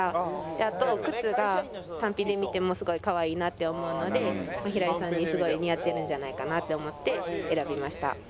あと靴が単品で見てもすごい可愛いなって思うので平井さんにすごい似合ってるんじゃないかなって思って選びました。